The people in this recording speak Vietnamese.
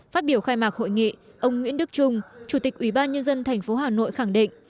phát biểu khai mạc hội nghị ông nguyễn đức trung chủ tịch ủy ban nhân dân tp hà nội khẳng định